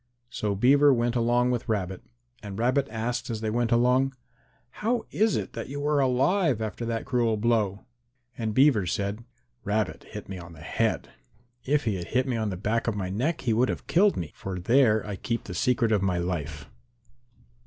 So Beaver went along with Rabbit. And Rabbit asked as they went along, "How is it that you are alive after that cruel blow?" And Beaver said, "Rabbit hit me on the head. If he had hit me on the back of my neck he would have killed me, for there I keep the secret of my life."